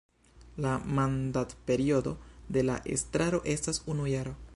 La mandatperiodo de la estraro estas unu jaro.